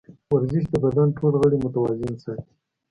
ورزش د بدن ټول غړي متوازن ساتي.